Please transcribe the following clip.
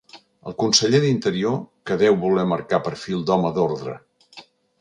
El conseller d'Interior, que deu voler marcar perfil d'home d'ordre.